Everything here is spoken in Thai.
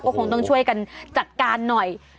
คงต้องช่วยกันจัดการหน่อย